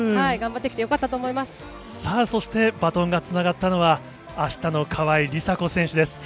さあ、そしてバトンがつながったのは、あしたの川井梨紗子選手です。